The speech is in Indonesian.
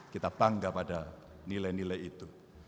kita bangga pada nilai nilai itu